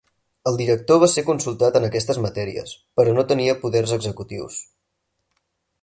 El director va ser consultat en aquestes matèries però no tenia poders executius.